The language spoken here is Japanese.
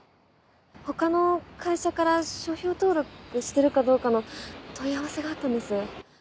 他の会社から商標登録してるかどうかの問い合わせがあったんです